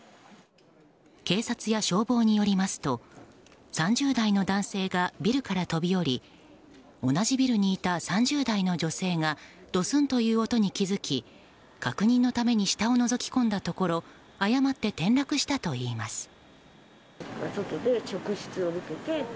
警察や消防によりますと３０代の男性がビルから飛び降り同じビルにいた３０代の女性がドスンという音に気づき確認のために下をのぞき込んだところ誤って転落したといいます。